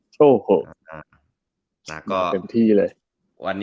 โชคโหเป็นที่เลย